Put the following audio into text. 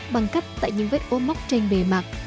bằng cách tại những vết ôm móc trên bề mặt